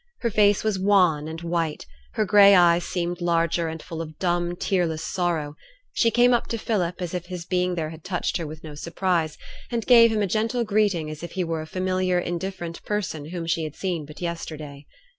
Her face was wan and white; her gray eyes seemed larger, and full of dumb tearless sorrow; she came up to Philip, as if his being there touched her with no surprise, and gave him a gentle greeting as if he were a familiar indifferent person whom she had seen but yesterday.